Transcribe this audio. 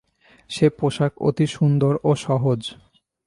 সে পোষাক অতি সুন্দর ও সহজ।